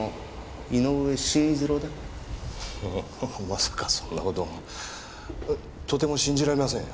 まさかそんなこととても信じられません。